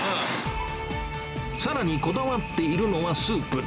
さらにこだわっているのはスープ。